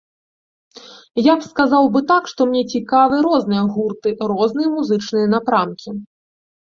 Я б сказаў бы так, што мне цікавыя розныя гурты, розныя музычныя напрамкі.